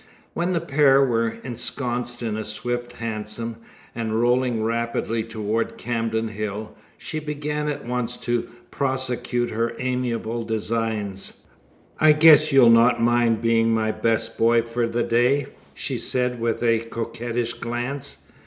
When the pair were ensconced in a swift hansom, and rolling rapidly towards Camden Hill, she began at once to prosecute her amiable designs. "I guess you'll not mind being my best boy for the day," she said, with a coquettish glance.